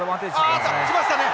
あ来ましたね。